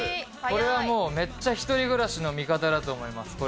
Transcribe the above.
これはもうめっちゃ１人暮らしの味方だと思います。